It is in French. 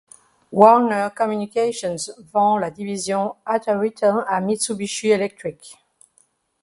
Warner Communications vend la division Ataritel à Mitsubishi Electric.